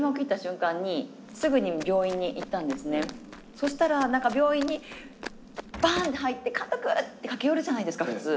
そしたら何か病院にバーンって入って「監督！」って駆け寄るじゃないですか普通。